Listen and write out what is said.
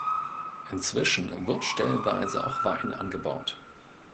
Inzwischen wird stellenweise auch Wein angebaut.